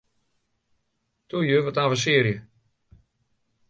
Toe ju, wat avensearje!